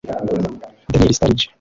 Daniel Sturridge